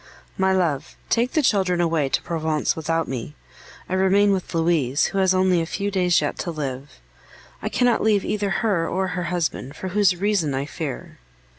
My love, Take the children away to Provence without me; I remain with Louise, who has only a few days yet to live. I cannot leave either her or her husband, for whose reason I fear.